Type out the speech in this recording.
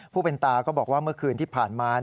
ผู้เป็นตาก็บอกว่าเมื่อคืนที่ผ่านมา